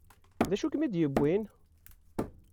D acu i kem-id-yewwin?